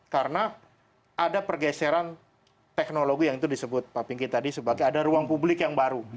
karena ada pergeseran teknologi yang itu disebut pak pinky tadi sebagai ada ruang publik yang baru